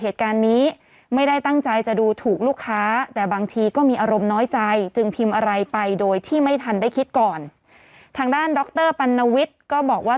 ทางด้านดรปัณณวิทย์ก็บอกว่า